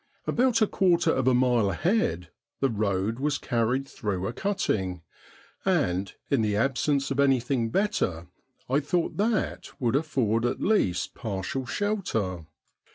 About a quarter of a mile ahead the road was carried through a cutting, and, in the absence of anything better, I thought that would afford at least partial shelter.